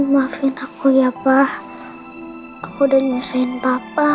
maafin aku ya pak aku udah nyusahin papa